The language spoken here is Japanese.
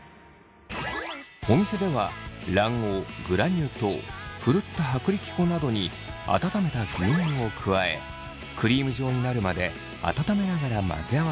お店では卵黄グラニュー糖ふるった薄力粉などに温めた牛乳を加えクリーム状になるまで温めながら混ぜ合わせます。